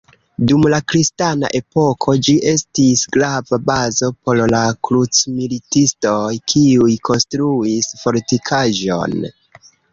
Dum la kristana epoko, ĝi estis grava bazo por la krucmilitistoj, kiuj konstruis fortikaĵon.